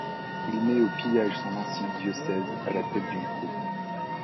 Il met au pillage son ancien diocèse à la tête d'une troupe.